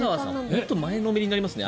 本当に前のめりになりますね。